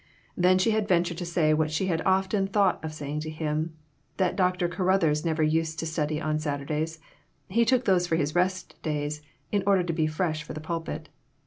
Then she had ventured to say what she had often thought of saying to him, that Dr. Caruthers never used to study on Saturdays ; he took those for his rest days in order to be fresh for the pulpit.